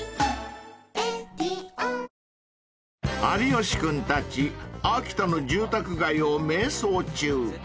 ［有吉君たち秋田の住宅街を迷走中］